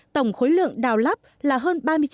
tổng khối lượng đào lắp là hơn